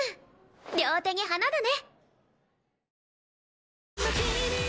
両手に花だね！